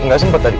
gak sempet tadi